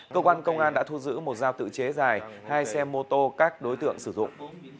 cơ quan công an đã thu giữ một dao tự chế dài hai xe mô tô các đối tượng sử dụng